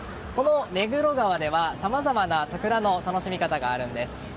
目黒川ではさまざまな桜の楽しみ方があるんです。